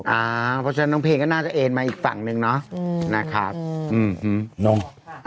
อ่าเพราะฉะนั้นน้องเพลงก็น่าจะเอ็นมาอีกฝั่งหนึ่งเนอะอืมนะครับอืมอืมอืมน้อง